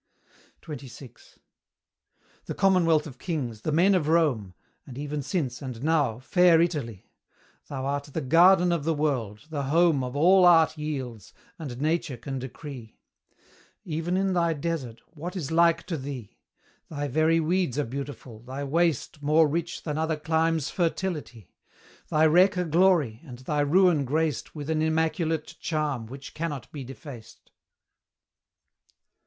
XXVI. The commonwealth of kings, the men of Rome! And even since, and now, fair Italy! Thou art the garden of the world, the home Of all Art yields, and Nature can decree; Even in thy desert, what is like to thee? Thy very weeds are beautiful, thy waste More rich than other climes' fertility; Thy wreck a glory, and thy ruin graced With an immaculate charm which cannot be defaced.